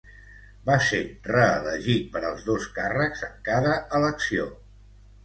Va ser reelegit per als dos càrrecs en cada elecció.